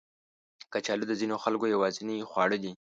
کچالو د ځینو خلکو یوازینی خواړه دي